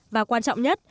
và quan trọng nhất